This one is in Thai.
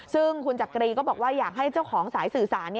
ซึ่งคุณจักรีก็บอกว่าอยากให้เจ้าของสายสื่อสาร